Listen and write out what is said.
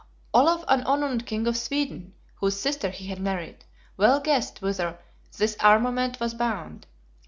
Olaf and Onund King of Sweden, whose sister he had married, well guessed whither this armament was bound.